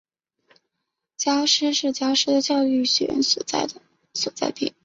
皎施是皎施教育学院的所在地。